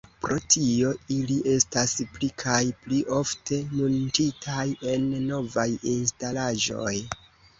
Pro tio ili estas pli kaj pli ofte muntitaj en novaj instalaĵoj.